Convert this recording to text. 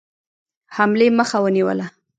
حملې مخه ونیوله.